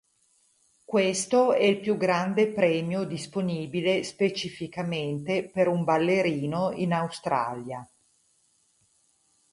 Questo è il più grande premio disponibile specificamente per un ballerino in Australia.